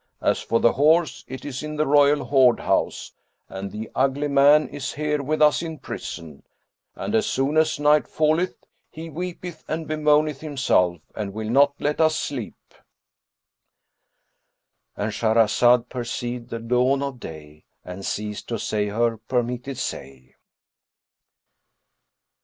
As for the horse, it is in the royal hoard house, and the ugly man is here with us in prison; and as soon as night falleth, he weepeth and bemoaneth himself and will not let us sleep."—And Shahrazad perceived the dawn of day and ceased to say her permitted say.